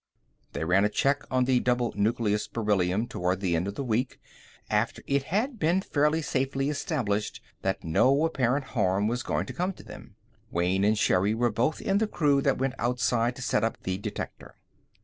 They ran a check on the double nucleus beryllium toward the end of the week, after it had been fairly safely established that no apparent harm was going to come to them. Wayne and Sherri were both in the crew that went outside to set up the detector.